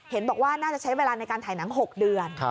บอกว่าน่าจะใช้เวลาในการถ่ายหนัง๖เดือน